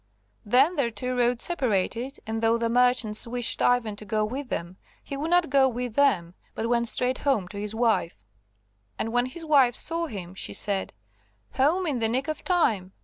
Then their two roads separated, and though the merchants wished Ivan to go with them, he would not go with them, but went straight home to his wife. And when his wife saw him she said: "Home in the nick of time.